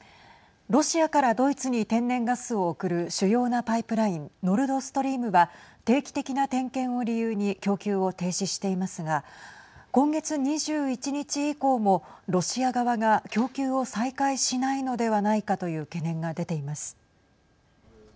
ロシアからドイツに天然ガスを送る主要なパイプラインノルドストリームは定期的な点検を理由に供給を停止していますが今月２１日以降もロシア側が供給を再開しないのではないかという懸念が出ています。